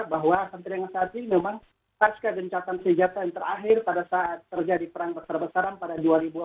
bahwa sampai dengan saat ini memang pas kedencatan senjata yang terakhir pada saat terjadi perang besar besaran pada dua ribu enam belas